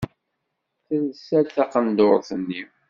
Telsa-d taqendurt-nni.